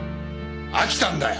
飽きたんだよ！